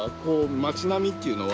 街並みっていうのは。